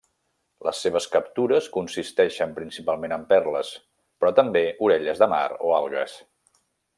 Les seves captures consisteixen principalment en perles, però també orelles de mar o algues.